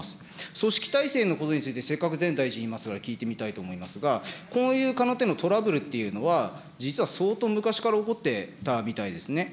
組織体制のことについて、せっかく、全大臣いますから、聞いてみたいと思いますが、こういうのトラブルっていうのは、実は相当昔から起こってたみたいですね。